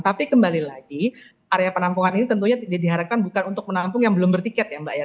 tapi kembali lagi area penampungan ini tentunya tidak diharapkan bukan untuk menampung yang belum bertiket ya mbak ya